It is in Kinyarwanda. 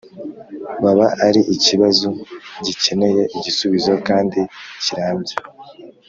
baba ari ikibazo gikeneye igisubizo, kandi kirambye